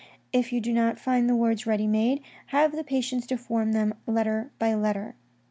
If you do not find the words ready made, have the patience to form them letter by letter.